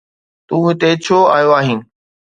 تون هتي ڇو آيو آهين؟